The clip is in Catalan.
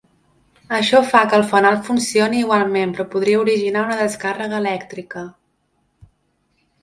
Això fa que el fanal funcioni igualment però podria originar una descàrrega elèctrica.